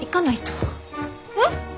えっ？